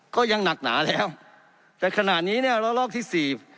ก็ยังหนักหนาแล้วแต่ขณะนี้เนี่ยระลอกที่สี่